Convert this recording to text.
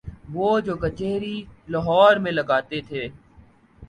وہ جو کچہری لاہور میں لگاتے تھے۔